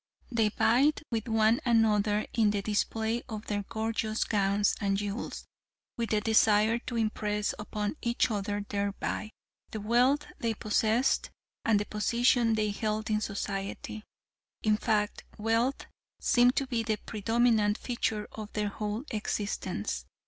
They vied with one another in the display of their gorgeous gowns and jewels, with the desire to impress upon each other thereby the wealth they possessed and the position they held in society. In fact, wealth seemed to be the predominant feature of their whole existence.